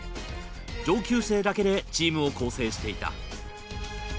上級生だけでチームを構成していた。